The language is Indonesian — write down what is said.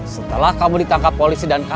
setelah kamu ditangkap polisi dan kamu